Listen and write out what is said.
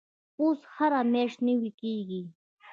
پوست هره میاشت نوي کیږي.